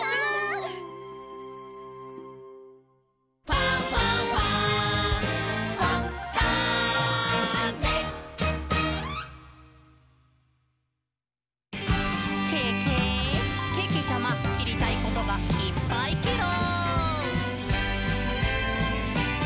「ファンファンファン」「ケケ！けけちゃま、しりたいことがいっぱいケロ！」